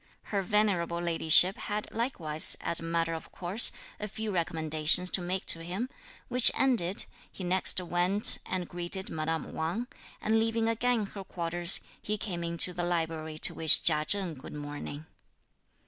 Her venerable Ladyship had likewise, as a matter of course, a few recommendations to make to him, which ended, he next went and greeted madame Wang; and leaving again her quarters, he came into the library to wish Chia Cheng good morning.